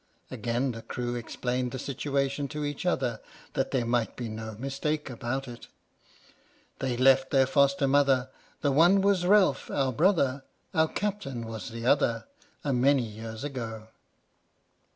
!! Again the crew explained the situation to each other, that there might be no mistake about it: They left their foster mother; The one was Ralph, our brother, Our Captain was the other, A many years ago!